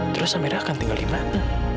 terus amerika akan tinggal di mana